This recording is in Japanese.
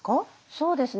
そうですね